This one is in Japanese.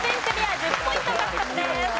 １０ポイント獲得です。